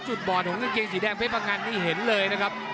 บอดของกางเกงสีแดงเพชรพงันนี่เห็นเลยนะครับ